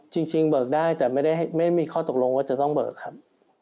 เบิกได้แต่ไม่ได้ไม่มีข้อตกลงว่าจะต้องเบิกครับ